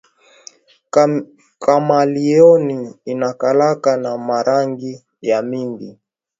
Kamaleon inaikalaka na ma rangi ya mingi